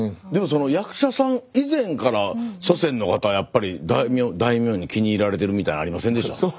でも役者さん以前から祖先の方やっぱり大名に気に入られてるみたいなのありませんでした？